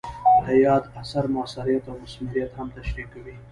د یاد اثر مؤثریت او مثمریت هم تشریح کوي.